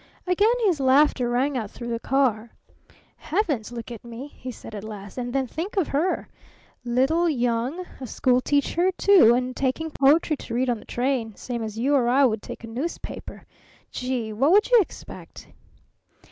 Again his laughter rang out through the car. "Heavens! Look at me!" he said at last. "And then think of her! Little, young, a school teacher, too, and taking poetry to read on the train same as you or I would take a newspaper! Gee! What would you expect?"